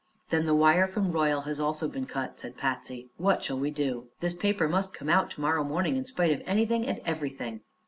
"Then the wire from Royal has also been cut," said Patsy. "What shall we do? His paper must come out to morrow morning, in spite of anything and everything!"